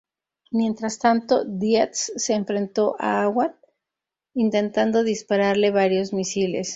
Mientras tanto, Dietz se enfrentó a Awad, intentando dispararle varios misiles.